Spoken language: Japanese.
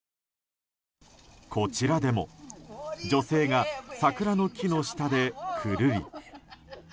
こちらでも、女性が桜の木の下で、くるり。